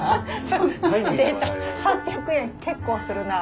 ８００円結構するな。